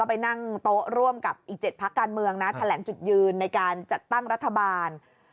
ไปนั่งโต๊ะร่วมกับอีก๗พักการเมืองนะแถลงจุดยืนในการจัดตั้งรัฐบาล